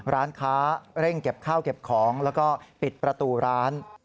ร้านค้าเร่งเก็บข้าวเก็บของแล้วก็ปิดประตูร้าน